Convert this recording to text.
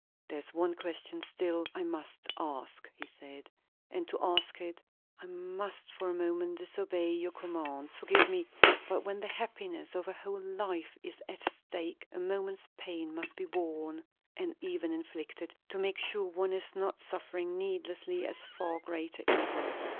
"There is one question still I must ask," he said; "and to ask it, I must for a moment disobey your commands. Forgive me; but when the happiness of a whole life is at stake, a moment's pain must be borne and even inflicted to make sure one is not suffering needlessly a far greater evil.